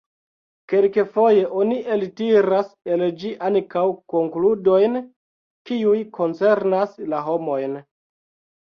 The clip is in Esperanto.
Kelkfoje oni eltiras el ĝi ankaŭ konkludojn, kiuj koncernas la homojn.